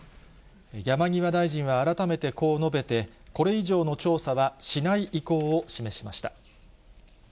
山際大臣は改めてこう述べて、これ以上の調査はしない意向を示しました。